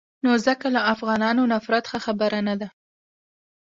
نو ځکه له افغانانو نفرت ښه خبره نه ده.